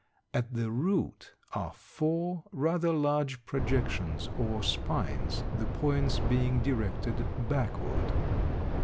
At the root are four rather large projections or spines, the points being directed backward.